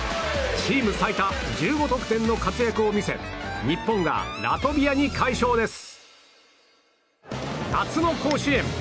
チーム最多１５得点の活躍を見せ日本がラトビアに快勝です。